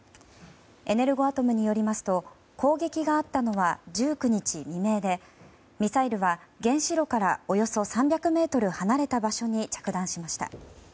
エネルゴアトムによりますと攻撃があったのは１９日未明でミサイルは、原子炉からおよそ３００ｍ離れた場所に着弾しました。